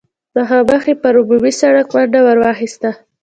مخامخ يې پر عمومي سړک منډه ور واخيسته.